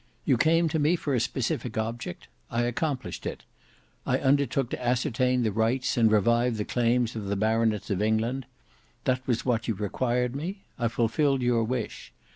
You came to me for a specific object. I accomplished it. I undertook to ascertain the rights and revive the claims of the baronets of England. That was what you required me: I fulfilled your wish.